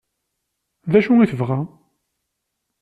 D acu i tebɣa?